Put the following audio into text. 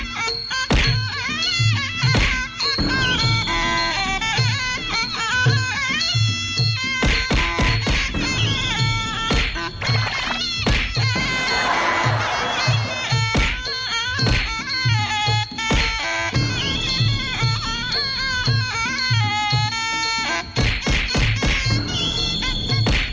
สวัสดีครับสวัสดีครับสวัสดีครับ